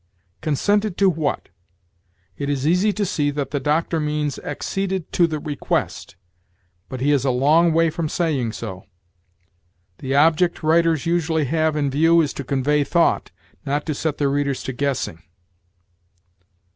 Consented to what? It is easy to see that the Doctor means acceded to the request, but he is a long way from saying so. The object writers usually have in view is to convey thought, not to set their readers to guessing.